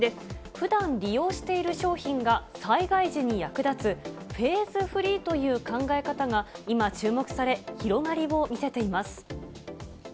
ふだん利用している商品が災害時に役立つ、フェーズフリーという考え方が今、注目され、広がりを見せています。